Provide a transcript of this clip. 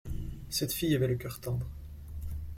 Cette fille avait le cœur tendre.